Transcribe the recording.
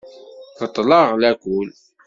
Beṭleɣ lakul.